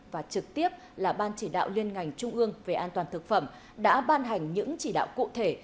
và trực tiếp là ban chỉ đạo liên ngành trung ương về an toàn thực phẩm đã ban hành những chỉ đạo cụ thể